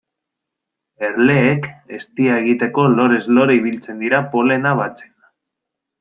Erleek eztia egiteko lorez lore ibiltzen dira polena batzen.